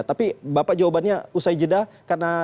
tapi bapak jawabannya ustaz fikar itu adalah hal yang harus dipercayai